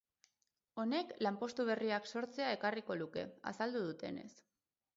Honek, lanpostu berriak sortzea ere ekarriko luke, azaldu dutenez.